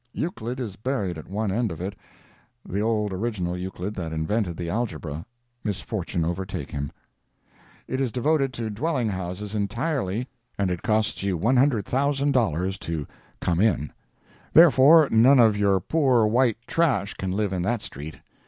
Euclid is buried at one end of it—the old original Euclid that invented the algebra, misfortune overtake him! It is devoted to dwelling houses entirely and it costs you $100,000 to "come in." Therefore none of your poor white trash can live in that street.